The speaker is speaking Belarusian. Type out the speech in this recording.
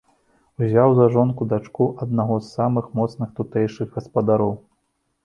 Узяў за жонку дачку аднаго з самых моцных тутэйшых гаспадароў.